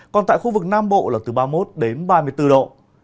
còn tại khu vực nam bộ là từ ba mươi một đến ba mươi bốn độ